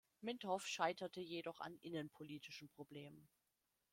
Mintoff scheiterte jedoch an innenpolitischen Problemen.